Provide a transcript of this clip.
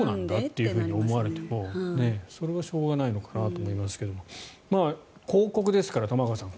と思われてもそれはしょうがないのかなと思いますけど広告ですから玉川さん